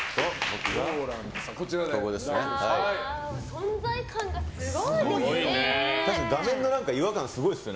存在感がすごいですね。